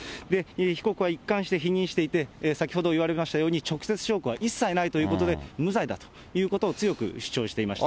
被告は一貫して否認していて、先ほど言われましたように直接証拠は一切ないということで無罪だということを、強く主張していました。